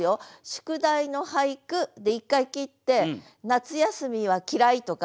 「宿題の俳句」で一回切って「夏休みは嫌い」とか。